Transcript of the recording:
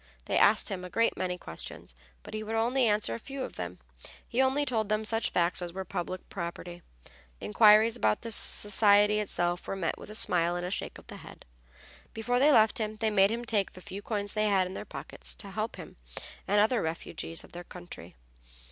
They asked him a great many questions, but he would only answer a few of them. He only told them such facts as were public property; inquiries about the society itself were met with a smile and a shake of the head. Before they left him they made him take the few coins they had in their pockets, to help him and other refugees of their country.